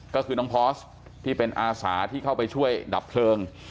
ก็คือน้องพอสที่เป็นอาสาที่เข้าไปช่วยดับเพลิง